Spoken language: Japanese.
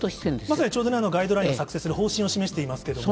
まさにちょうどガイドラインを作成する方針を示していますけれども。